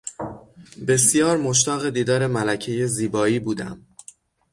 بسیار مشتاق دیدار ملکهی زیبایی بودم.